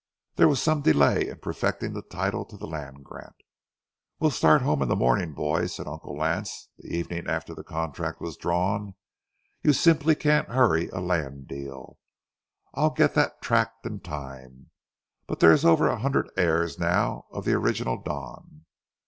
There was some delay in perfecting the title to the land grant. "We'll start home in the morning, boys," said Uncle Lance, the evening after the contract was drawn. "You simply can't hurry a land deal. I'll get that tract in time, but there's over a hundred heirs now of the original Don.